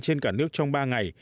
trên cả nước trong ba ngày